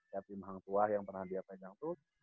siap tim hang tua yang pernah dia pegang tuh